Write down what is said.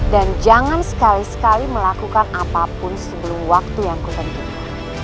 dan jangan sekali sekali melakukan apapun sebelum waktu yang kupercaya